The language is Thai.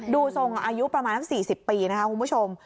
ดูทรงอายุประมาณสัก๔๐ปีนะคะคุณผู้ชม